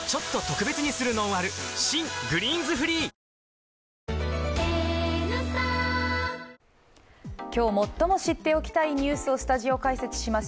新「グリーンズフリー」今日最も知っておきたいニュースをスタジオ解説します